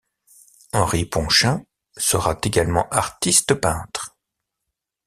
Henri Ponchin, sera également artiste peintre.